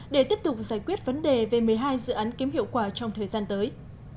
để tiếp tục giải quyết vấn đề về một mươi hai dự án kém hiệu quả trong thời gian tới